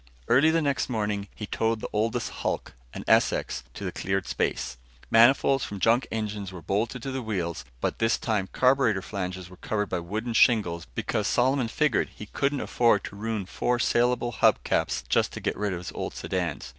Early the next morning, he towed the oldest hulk, an Essex, to the cleared space. Manifolds from junk engines were bolted to the wheels but this time carburetor flanges were covered by wooden shingles because Solomon figured he couldn't afford to ruin four salable hub caps just to get rid of his old sedans.